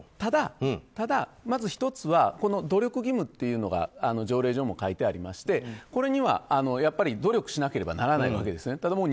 ただ、まず１つはこの努力義務というものが条例上も書いてありましてこれには努力しなければならないわけですよね。